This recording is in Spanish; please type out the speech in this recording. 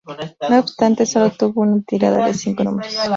No obstante, sólo tuvo una tirada de cinco números.